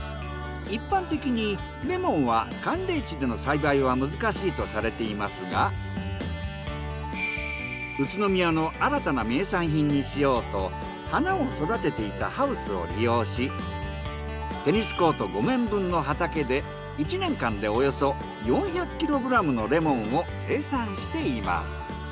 一般的にレモンは寒冷地での栽培は難しいとされていますが宇都宮の新たな名産品にしようと花を育てていたハウスを利用しテニスコート５面分の畑で１年間でおよそ４００ｋｇのレモンを生産しています。